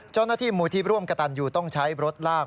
เจ้าหน้าที่มูลที่ร่วมกระตันยูต้องใช้รถลาก